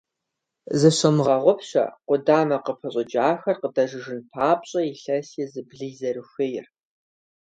Зыщумыгъэгъупщэ къудамэ къыпыщӀыкӀар къыдэжыжын папщӀэ илъэси зыблый зэрыхуейр.